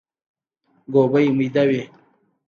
ګوبی ميده وي.